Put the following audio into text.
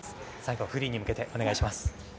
最後、フリーに向けてお願いします。